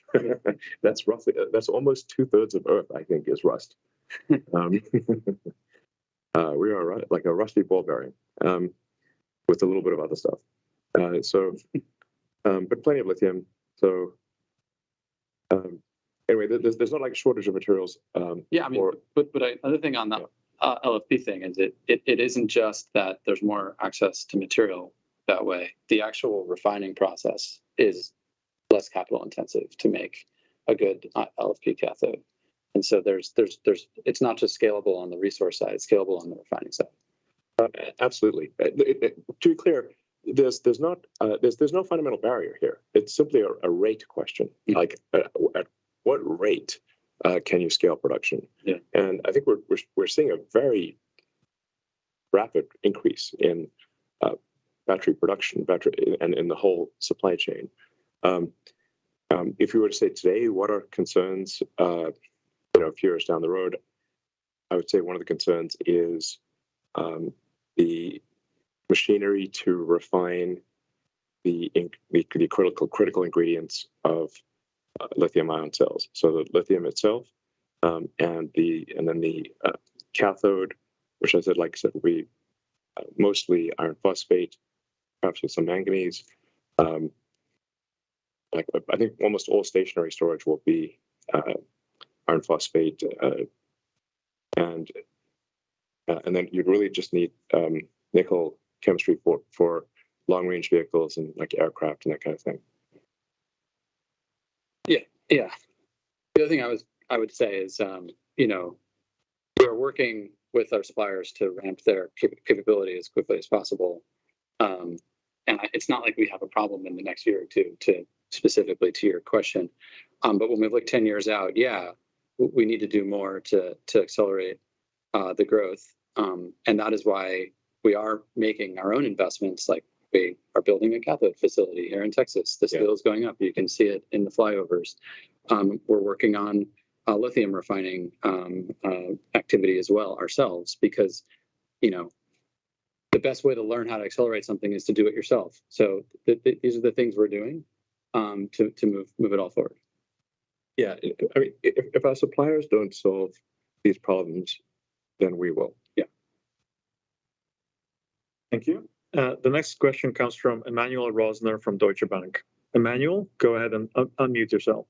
That's roughly almost two-thirds of Earth, I think, is rust. We are like a rusty ball bearing with a little bit of other stuff. Plenty of lithium. Anyway, there's not, like, a shortage of materials. Yeah, I mean. Or. Another thing on that. Yeah LFP thing is it isn't just that there's more access to material that way. The actual refining process is less capital intensive to make a good LFP cathode. It's not just scalable on the resource side. It's scalable on the refining side. Absolutely. To be clear, there's no fundamental barrier here. It's simply a rate question. Yeah. Like, at what rate, can you scale production? Yeah. I think we're seeing a very rapid increase in battery production in the whole supply chain. If you were to say today what the concerns are, you know, a few years down the road, I would say one of the concerns is the machinery to refine the critical ingredients of lithium-ion cells. The lithium itself, and then the cathode, which as I like I said, we mostly iron phosphate, perhaps with some manganese. Like, I think almost all stationary storage will be iron phosphate. You'd really just need nickel chemistry for long-range vehicles and, like, aircraft and that kind of thing. Yeah. The other thing I would say is, you know, we're working with our suppliers to ramp their capability as quickly as possible. It's not like we have a problem in the next year or two, specifically to your question. When we have like 10 years out, yeah, we need to do more to accelerate the growth. That is why we are making our own investments like we are building a cathode facility here in Texas. Yeah. The steel's going up. You can see it in the flyovers. We're working on a lithium refining activity as well ourselves because, you know, the best way to learn how to accelerate something is to do it yourself. These are the things we're doing to move it all forward. Yeah. I mean, if our suppliers don't solve these problems, then we will. Yeah. Thank you. The next question comes from Emmanuel Rosner from Deutsche Bank. Emmanuel, go ahead and unmute yourself.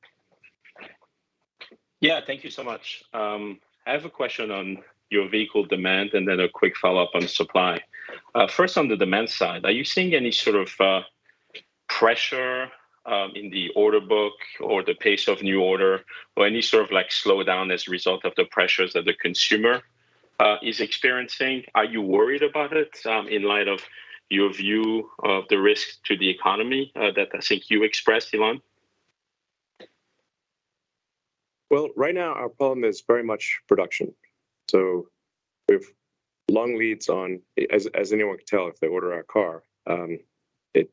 Yeah. Thank you so much. I have a question on your vehicle demand and then a quick follow-up on supply. First on the demand side, are you seeing any sort of pressure in the order book or the pace of new order or any sort of like slowdown as a result of the pressures that the consumer is experiencing? Are you worried about it in light of your view of the risk to the economy that I think you expressed, Elon? Well, right now our problem is very much production. We've long lead times as anyone can tell if they order our car, you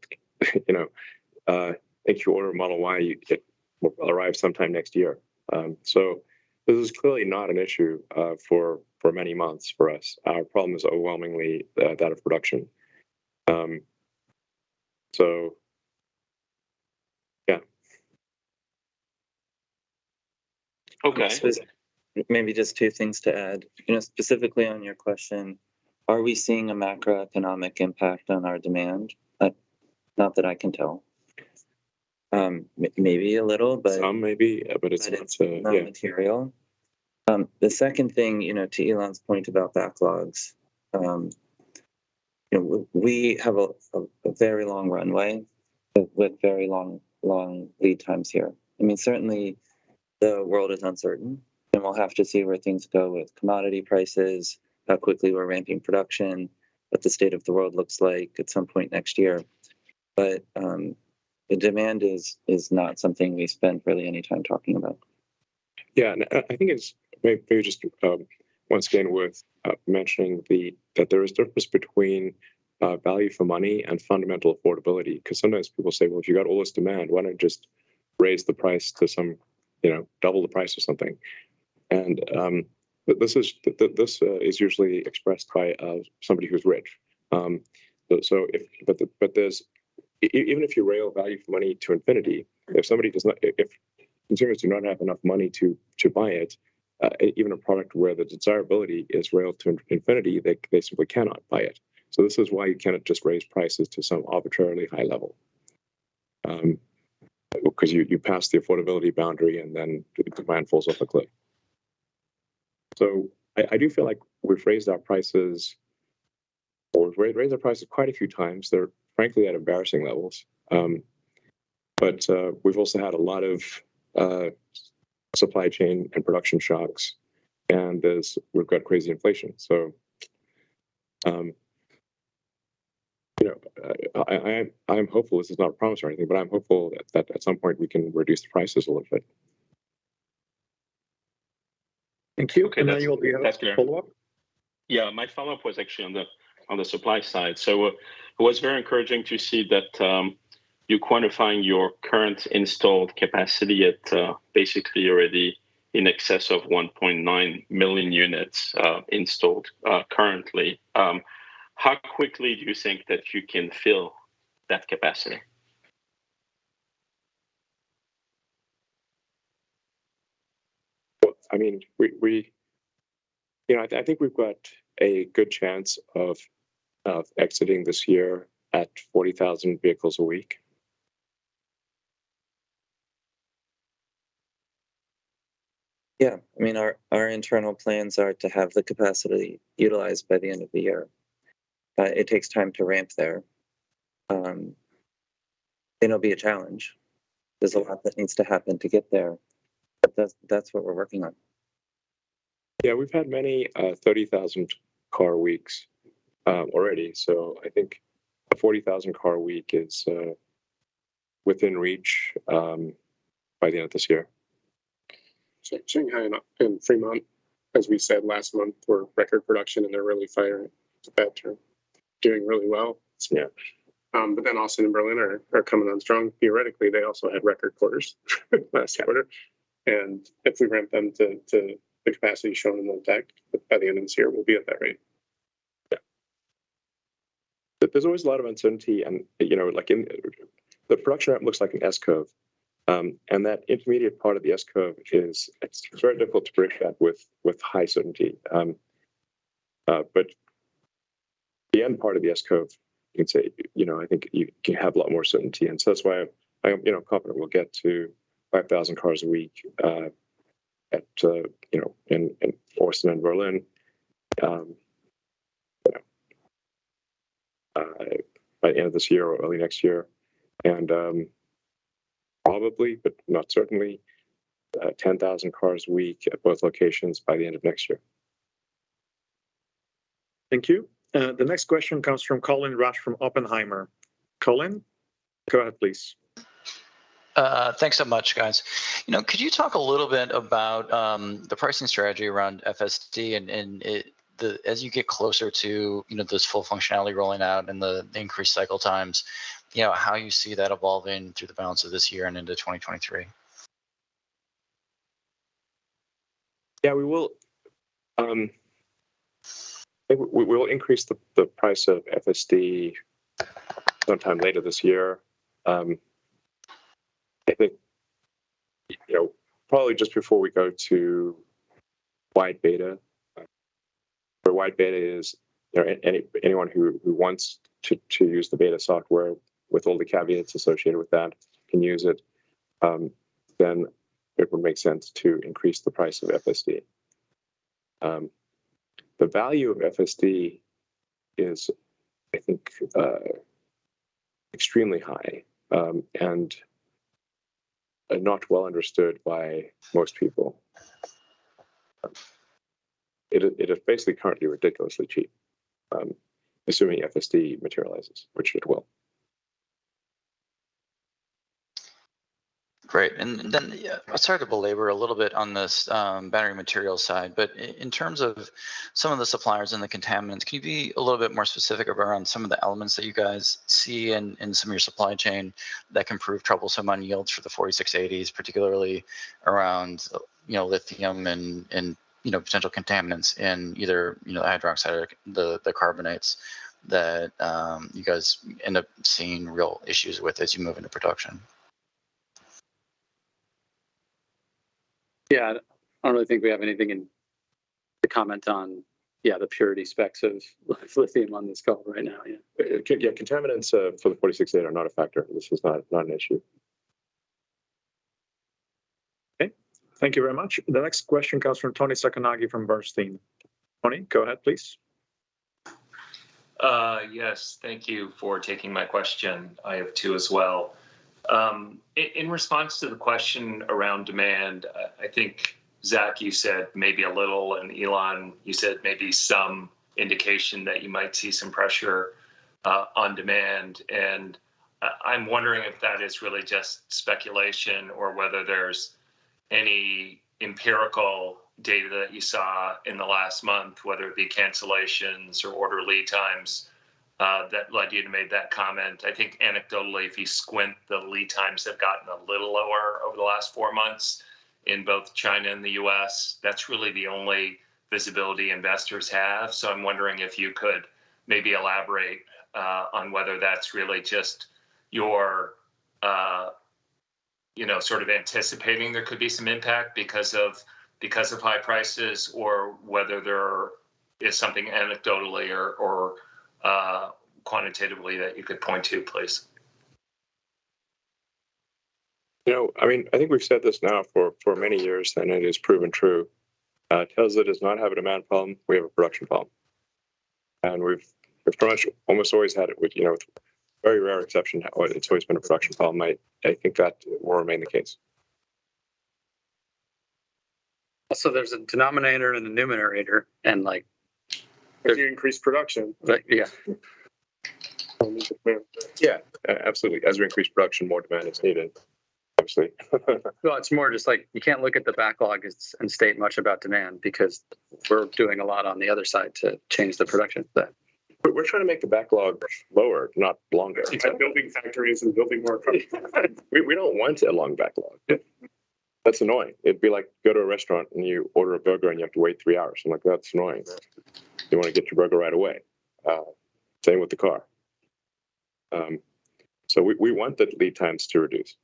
know, if you order a Model Y, it will arrive sometime next year. This is clearly not an issue for many months for us. Our problem is overwhelmingly that of production. Yeah. Okay. Maybe just two things to add. You know, specifically on your question, are we seeing a macroeconomic impact on our demand? Not that I can tell. Maybe a little but. Some maybe, but it's not. It's not material. The second thing, you know, to Elon's point about backlogs, you know, we have a very long runway with very long lead times here. I mean, certainly the world is uncertain, and we'll have to see where things go with commodity prices, how quickly we're ramping production, what the state of the world looks like at some point next year. The demand is not something we spend really any time talking about. I think it's maybe just once again worth mentioning that there is a difference between value for money and fundamental affordability because sometimes people say, "Well, if you got all this demand, why not just raise the price to some, you know, double the price of something?" This is usually expressed by somebody who's rich. Even if you rail value for money to infinity, if consumers do not have enough money to buy it, even a product where the desirability is railed to infinity, they basically cannot buy it. This is why you cannot just raise prices to some arbitrarily high level, because you pass the affordability boundary and then the demand falls off a cliff. I do feel like we've raised our prices quite a few times. They're frankly at embarrassing levels. We've also had a lot of supply chain and production shocks, and we've got crazy inflation. You know, I'm hopeful. This is not a promise or anything, but I'm hopeful that at some point we can reduce the prices a little bit. Thank you. Okay. That's, yeah. You'll be asked your follow-up. Yeah. My follow-up was actually on the supply side. It was very encouraging to see that you're quantifying your current installed capacity at basically already in excess of 1.9 million units installed currently. How quickly do you think that you can fill that capacity? Well, I mean, we, you know, I think we've got a good chance of exiting this year at 40,000 vehicles a week. Yeah. I mean, our internal plans are to have the capacity utilized by the end of the year. It takes time to ramp there. It'll be a challenge. Yeah. There's a lot that needs to happen to get there, but that's what we're working on. Yeah. We've had many 30,000 car weeks already. I think a 40,000 car week is within reach by the end of this year. Shanghai and Fremont, as we said last month, were record production, and they're really firing on all cylinders, doing really well. Yeah. Austin and Berlin are coming on strong. Theoretically, they also had record quarters last quarter. Yeah. If we ramp them to the capacity shown in the deck, by the end of this year we'll be at that rate. Yeah. There's always a lot of uncertainty and, you know, like in the production ramp looks like an S curve. That intermediate part of the S curve is, it's very difficult to predict that with high certainty. The end part of the S curve, you can say, you know, I think you can have a lot more certainty. That's why I'm, you know, confident we'll get to 5,000 cars a week at, you know, in Austin and Berlin. By end of this year or early next year, and probably, but not certainly, 10,000 cars a week at both locations by the end of next year. Thank you. The next question comes from Colin Rusch from Oppenheimer. Colin, go ahead please. Thanks so much, guys. You know, could you talk a little bit about the pricing strategy around FSD and as you get closer to, you know, this full functionality rolling out and the increased cycle times, you know, how you see that evolving through the balance of this year and into 2023? Yeah, we'll increase the price of FSD sometime later this year. I think, you know, probably just before we go to wide beta. Wide beta is, you know, anyone who wants to use the beta software with all the caveats associated with that can use it. It would make sense to increase the price of FSD. The value of FSD is, I think, extremely high, and not well understood by most people. It is basically currently ridiculously cheap, assuming FSD materializes, which it will. Great. Then, sorry to belabor a little bit on this, battery material side, but in terms of some of the suppliers and the contaminants, can you be a little bit more specific around some of the elements that you guys see in some of your supply chain that can prove troublesome on yields for the 4680s, particularly around, you know, lithium and, you know, potential contaminants in either, you know, hydroxide or the carbonates that you guys end up seeing real issues with as you move into production? Yeah. I don't really think we have anything to comment on, yeah, the purity specs of lithium on this call right now. Yeah. Yeah. Contaminants for the 4680 are not a factor. This is not an issue. Okay. Thank you very much. The next question comes from Toni Sacconaghi from Bernstein. Toni, go ahead please. Yes. Thank you for taking my question. I have two as well. In response to the question around demand, I think, Zach, you said maybe a little, and Elon, you said maybe some indication that you might see some pressure on demand. I'm wondering if that is really just speculation or whether there's any empirical data that you saw in the last month, whether it be cancellations or order lead times that led you to make that comment. I think anecdotally, if you squint, the lead times have gotten a little lower over the last four months in both China and the U.S. That's really the only visibility investors have. I'm wondering if you could maybe elaborate on whether that's really just your, you know, sort of anticipating there could be some impact because of high prices or whether there is something anecdotally or quantitatively that you could point to, please? You know, I mean, I think we've said this now for many years, and it has proven true. Tesla does not have a demand problem, we have a production problem. We've pretty much almost always had it with, you know, very rare exception. It's always been a production problem. I think that will remain the case. There's a denominator and the numerator and like. If you increase production. Like, yeah. Yeah. Absolutely. As we increase production, more demand is needed, obviously. Well, it's more just like you can't look at the backlog and state much about demand because we're doing a lot on the other side to change the production plan. We're trying to make the backlog lower, not longer. Building factories and building more cars. We don't want a long backlog. That's annoying. It'd be like go to a restaurant, and you order a burger, and you have to wait three hours, and like that's annoying. You wanna get your burger right away. Same with the car. We want the lead times to reduce.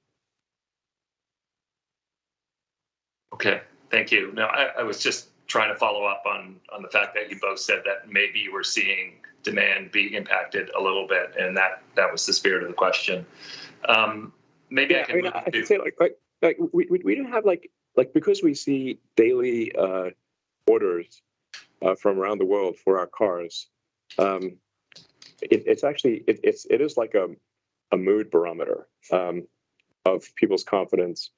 Okay. Thank you. Now, I was just trying to follow up on the fact that you both said that maybe you were seeing demand being impacted a little bit, and that was the spirit of the question. Maybe I can. I mean, I could say, like, we don't have like. Like, because we see daily orders from around the world for our cars, it's actually a mood barometer of people's confidence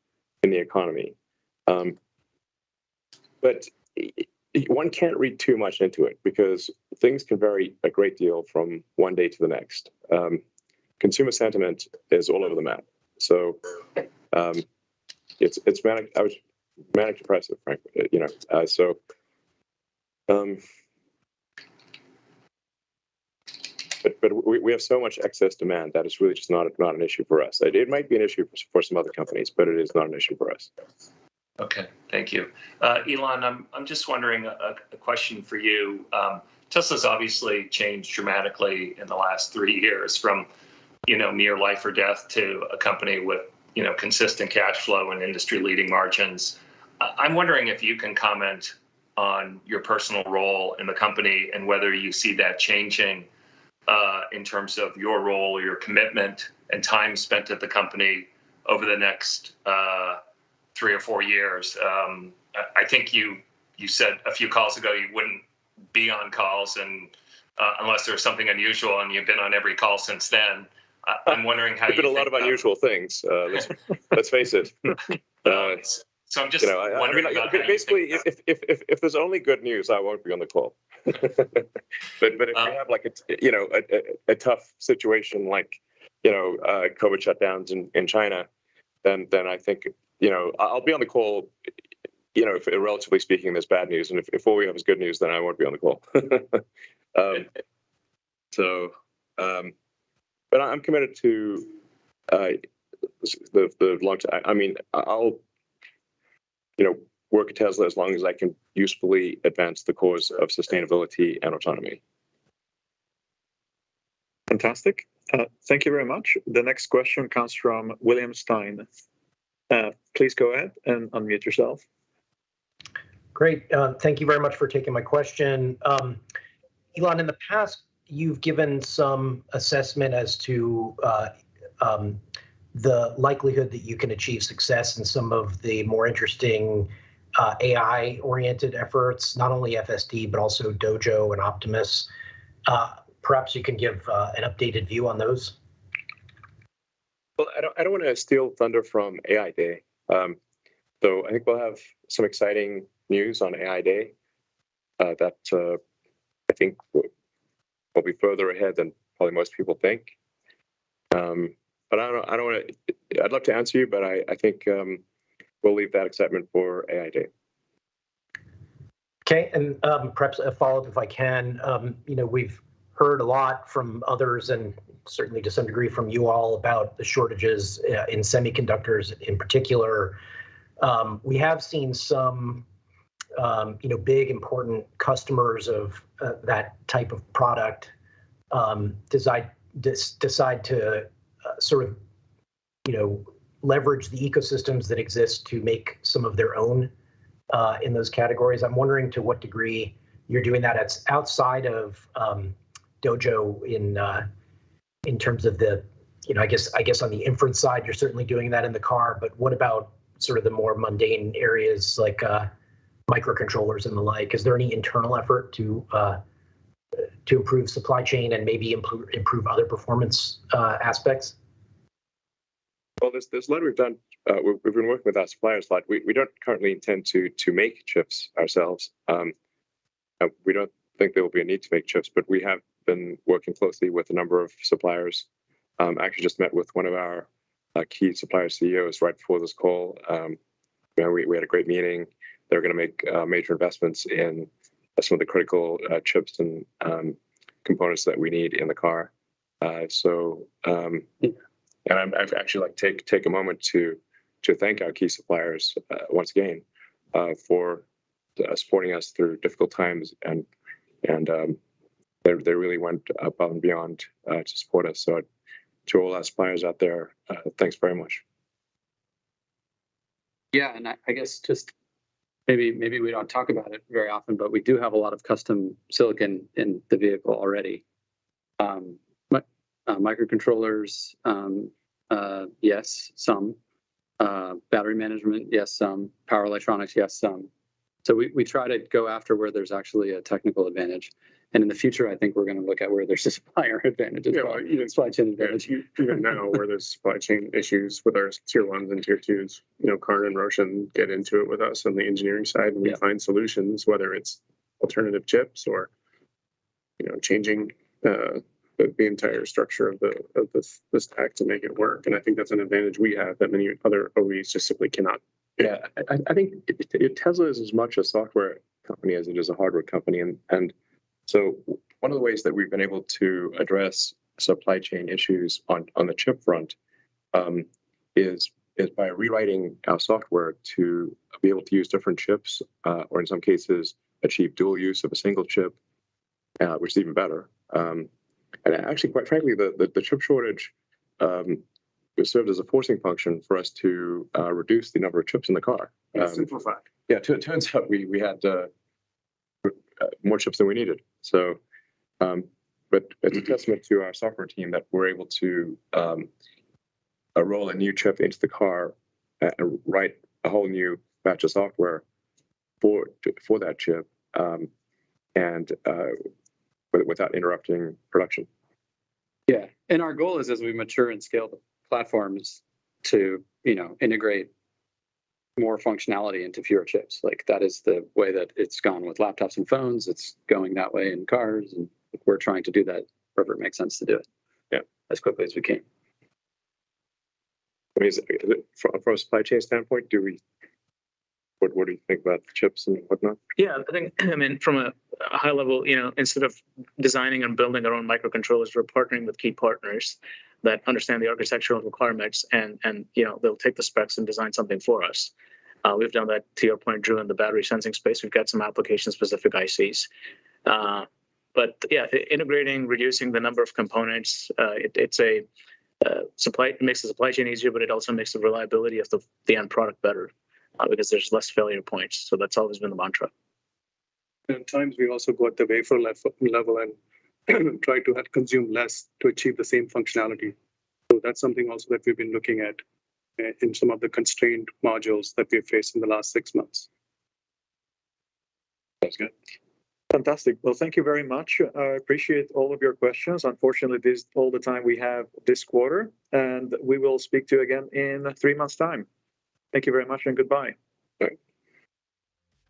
in the economy. One can't read too much into it because things can vary a great deal from one day to the next. Consumer sentiment is all over the map. It's manic depressive, frankly, you know. We have so much excess demand that it's really just not an issue for us. It might be an issue for some other companies, but it is not an issue for us. Okay. Thank you. Elon, I'm just wondering a question for you. Tesla's obviously changed dramatically in the last three years from, you know, near life or death to a company with, you know, consistent cash flow and industry-leading margins. I'm wondering if you can comment on your personal role in the company and whether you see that changing in terms of your role, your commitment, and time spent at the company over the next. Three or four years. I think you said a few calls ago you wouldn't be on calls and, I'm wondering how you think. There's been a lot of unusual things, let's face it. I'm just wondering. You know, I mean, basically if there's only good news, I won't be on the call. If we have like a tough situation like, you know, COVID shutdowns in China, then I think, you know, I'll be on the call, you know, if relatively speaking there's bad news. If all we have is good news, then I won't be on the call. I'm committed to the long term. I mean, I'll, you know, work at Tesla as long as I can usefully advance the cause of sustainability and autonomy. Fantastic. Thank you very much. The next question comes from William Stein. Please go ahead and unmute yourself. Great. Thank you very much for taking my question. Elon, in the past, you've given some assessment as to the likelihood that you can achieve success in some of the more interesting AI-oriented efforts, not only FSD but also Dojo and Optimus. Perhaps you can give an updated view on those. Well, I don't wanna steal thunder from AI Day. I think we'll have some exciting news on AI Day that I think we'll be further ahead than probably most people think. I don't wanna. I'd love to answer you, but I think we'll leave that excitement for AI Day. Okay. Perhaps a follow-up if I can. You know, we've heard a lot from others, and certainly to some degree from you all, about the shortages in semiconductors in particular. We have seen some, you know, big, important customers of that type of product decide to sort of, you know, leverage the ecosystems that exist to make some of their own in those categories. I'm wondering to what degree you're doing that at, outside of Dojo in terms of the, you know, I guess on the inference side, you're certainly doing that in the car, but what about sort of the more mundane areas like microcontrollers and the like? Is there any internal effort to improve supply chain and maybe improve other performance aspects? Well, there's a lot we've done. We've been working with our suppliers a lot. We don't currently intend to make chips ourselves. We don't think there will be a need to make chips. We have been working closely with a number of suppliers. Actually just met with one of our key supplier CEOs right before this call. You know, we had a great meeting. They're gonna make major investments in some of the critical chips and components that we need in the car. I've actually like to take a moment to thank our key suppliers once again for supporting us through difficult times and they really went above and beyond to support us. To all our suppliers out there, thanks very much. Yeah. I guess maybe we don't talk about it very often, but we do have a lot of custom silicon in the vehicle already. Microcontrollers, yes, some. Battery management, yes, some. Power electronics, yes, some. We try to go after where there's actually a technical advantage. In the future, I think we're gonna look at where there's supplier advantages or supply chain advantage. Yeah. Even now, where there's supply chain issues with our Tier 1 and Tier 2s, you know, Karn and Roshan get into it with us on the engineering side. Yeah. We find solutions, whether it's alternative chips or, you know, changing the entire structure of the stack to make it work, and I think that's an advantage we have that many other OEs just simply cannot. Yeah. I think Tesla is as much a software company as it is a hardware company. One of the ways that we've been able to address supply chain issues on the chip front is by rewriting our software to be able to use different chips or in some cases achieve dual use of a single chip, which is even better. Actually, quite frankly, the chip shortage has served as a forcing function for us to reduce the number of chips in the car. Yeah, super fact. Turns out we had more chips than we needed. It's a testament to our software team that we're able to roll a new chip into the car, write a whole new batch of software for that chip, and without interrupting production. Yeah. Our goal is as we mature and scale the platforms to, you know, integrate more functionality into fewer chips. Like, that is the way that it's gone with laptops and phones. It's going that way in cars, and we're trying to do that wherever it makes sense to do it. Yeah. As quickly as we can. I mean, from a supply chain standpoint, what do you think about chips and whatnot? Yeah. I think, I mean, from a high level, you know, instead of designing and building our own microcontrollers, we're partnering with key partners that understand the architectural requirements and, you know, they'll take the specs and design something for us. We've done that, to your point, Drew, in the battery sensing space. We've got some application-specific ICs. But yeah, integrating, reducing the number of components, it makes the supply chain easier, but it also makes the reliability of the end product better, because there's less failure points. That's always been the mantra. At times we also go at the wafer level and try to consume less to achieve the same functionality. That's something also that we've been looking at in some of the constrained modules that we have faced in the last six months. That's good. Fantastic. Well, thank you very much. I appreciate all of your questions. Unfortunately, this is all the time we have this quarter, and we will speak to you again in three months' time. Thank you very much and goodbye. Bye.